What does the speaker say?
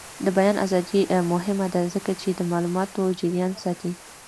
د بیان ازادي مهمه ده ځکه چې د معلوماتو جریان ساتي.